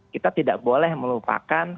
kita tidak boleh melupakan